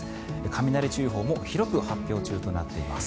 雷注意報も広く発表中となっています。